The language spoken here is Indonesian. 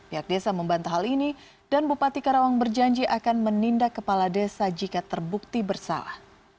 pihak desa membantah hal ini dan bupati karawang berjanji akan menindak kepala desa jika terbukti bersalah